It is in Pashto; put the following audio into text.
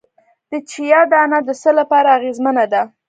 د چیا دانه د څه لپاره اغیزمنه ده؟